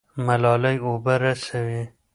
ملالۍ اوبه رسوي.